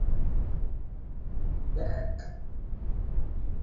قومي تعصبات ملي یووالي خرابوي.